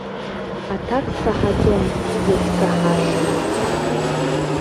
Аҭак саҳаӡом, иагьсаҳашам.